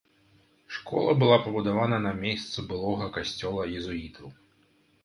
Школа была пабудавана на мейсцу былога касцёла езуітаў.